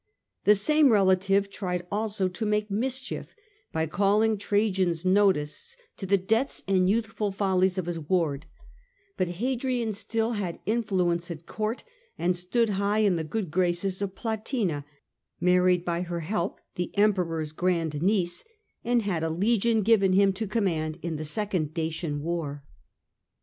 The same relative tried also to make mischief by calling Trajan's notice to the debts and youthful follies of his ward ; but Hadrian still had influence 'at court, and stood high in the good graces of Plotina, married by her help the Emperor's grand niece, and had a legion given him to command in the second Dacian war.